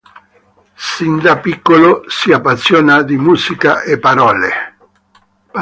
Sin da piccolo si appassiona di musica e parole.